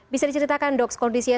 bisa diceritakan dok kondisinya